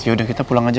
ya udah kita pulang aja